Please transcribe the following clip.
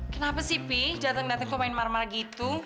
kenapa sih pi dateng dateng kok main marmar gitu